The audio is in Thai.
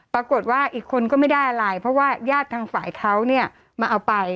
ปรากฏว่าอีกคนก็ไม่ได้อะไรเพราะว่าญาติทางฝ่ายเขาเนี่ยมาเอาไป